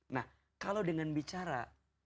nah kalau dengan bicara